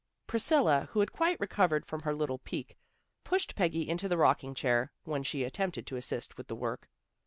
Priscilla, who had quite recovered from her little pique, pushed Peggy into the rocking chair, when she attempted to assist with the work.